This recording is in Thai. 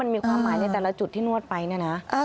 มันมีความหมายในแต่ละจุดที่นวดไปเนี่ยนะ